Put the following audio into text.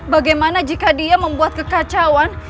bagaimana jika dia membuat kekacauan